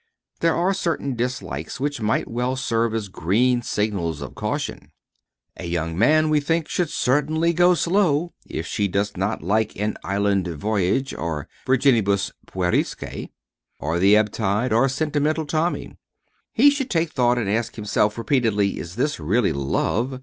There are certain dislikes which might well serve as green signals of caution. A young man, we think, should certainly go slow if she does not like An Inland Voyage, or Virginibus Puerisque, or The Ebb Tide or Sentimental Tommy. He should take thought and ask himself repeatedly, "Is this really love?"